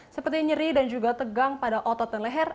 seperti nyeri dan juga tegang pada otot dan leher